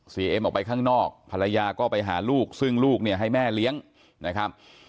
เอ็มออกไปข้างนอกภรรยาก็ไปหาลูกซึ่งลูกเนี่ยให้แม่เลี้ยงนะครับ